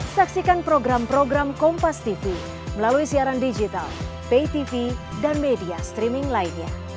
saksikan program program kompastv melalui siaran digital paytv dan media streaming lainnya